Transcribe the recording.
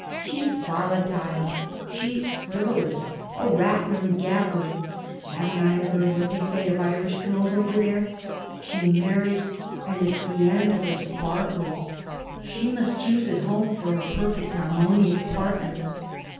She's volatile, she's frivolous, a rattler and gabbler haven't I heard what they say of Irish girls over there? She marries, and it's the end of her sparkling. She must choose at home for a perfect harmonious partner.'